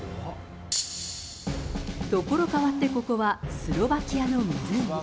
所変わって、ここはスロバキアの湖。